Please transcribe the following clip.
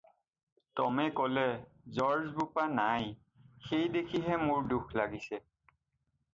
টমে ক'লে- "জৰ্জ বোপা নাই, সেই দেখিহে মোৰ দুখ লাগিছে।"